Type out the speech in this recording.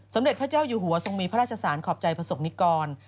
สมเด็จพระเจ้าอยู่หัวทรงมีพระราชศาสนิขอบใจผสกนิกร